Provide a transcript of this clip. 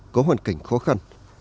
có hoàn cảnh khó khăn